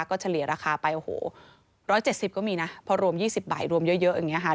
ก็เฉลี่ยราคาไปโอ้โห๑๗๐ก็มีนะพอรวม๒๐บาทรวมเยอะอย่างนี้ค่ะ